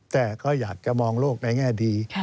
แต่ก็อยากจะมองโลกในแง่ดี